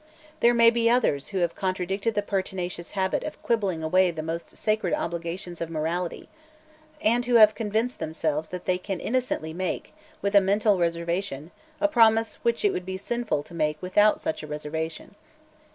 There may be others who have contracted the pernicious habit of quibbling away the most sacred obligations of morality, and who have convinced themselves that they can innocently make, with a mental reservation, a promise which it would be sinful to make without such a reservation.